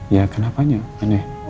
ya kenapanya aneh